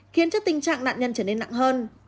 khiến cho tình trạng nạn nhân trở nên nặng hơn